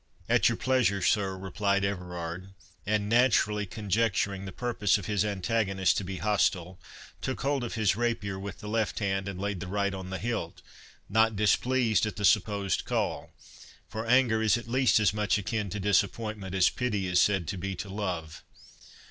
"At your pleasure, sir," replied Everard; and naturally conjecturing the purpose of his antagonist to be hostile, took hold of his rapier with the left hand, and laid the right on the hilt, not displeased at the supposed call; for anger is at least as much akin to disappointment as pity is said to be to love.